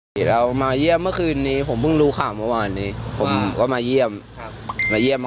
เวลามาเยี่ยมเมื่อคืนนี้ผมก็ได้สังคมรู้ข้ามว่าว่า๕๕๕๕๕๕๕